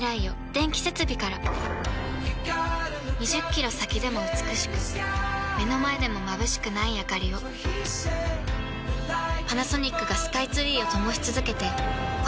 ２０キロ先でも美しく目の前でもまぶしくないあかりをパナソニックがスカイツリーを灯し続けて今年で１０年